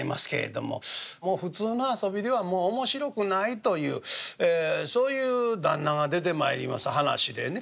もう普通の遊びでは面白くないというそういう旦那が出てまいります噺でね。